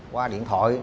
qua điện thoại